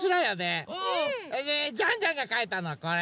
それでジャンジャンがかいたのはこれ。